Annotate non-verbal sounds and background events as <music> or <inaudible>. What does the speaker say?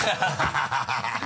ハハハ <laughs>